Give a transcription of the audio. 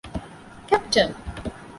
ކެޕްޓަން